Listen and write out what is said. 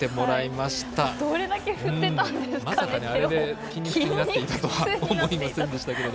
まさかね、あれで筋肉痛になるとは思いませんでしたけど。